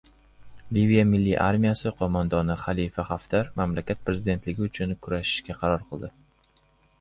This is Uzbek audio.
Liviya milliy armiyasi qo‘mondoni Xalifa Haftar mamlakat prezidentligi uchun kurashishga qaror qildi